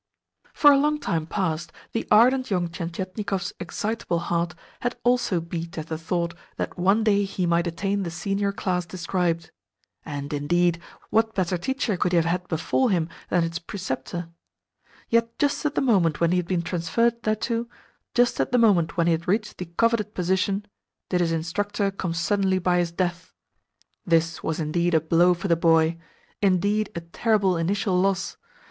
For a long time past the ardent young Tientietnikov's excitable heart had also beat at the thought that one day he might attain the senior class described. And, indeed, what better teacher could he have had befall him than its preceptor? Yet just at the moment when he had been transferred thereto, just at the moment when he had reached the coveted position, did his instructor come suddenly by his death! This was indeed a blow for the boy indeed a terrible initial loss!